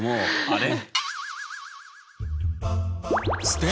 あれ？